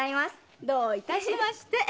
どういたしまして。